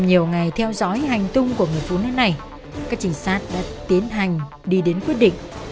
nhiều ngày theo dõi hành tung của người phụ nữ này các trình sát đã tiến hành đi đến quyết định